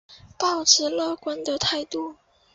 抱持乐观的态度